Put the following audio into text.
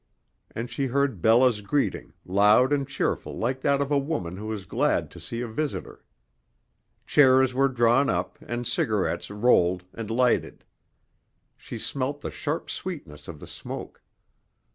And she heard Bella's greeting, loud and cheerful like that of a woman who is glad to see a visitor. Chairs were drawn up and cigarettes rolled and lighted. She smelt the sharp sweetness of the smoke.